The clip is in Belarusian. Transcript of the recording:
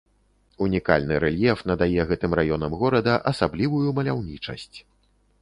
Унікальны рэльеф надае гэтым раёнам горада асаблівую маляўнічасць.